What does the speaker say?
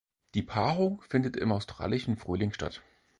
Die Paarung findet im australischen Frühling statt.